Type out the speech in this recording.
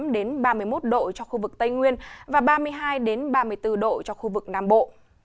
đến ba mươi một độ cho khu vực tây nguyên và ba mươi hai ba mươi bốn độ cho khu vực nam bộ